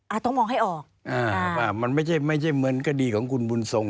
อ่าต้องมองให้ออกมันไม่ใช่เหมือนคดีของคุณบุญทรง